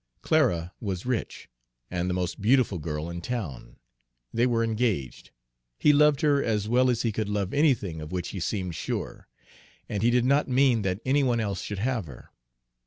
Clara was rich, and the most beautiful girl in town; they were engaged; he loved her as well as he could love anything of which he seemed sure; and he did not mean that any one else should have her.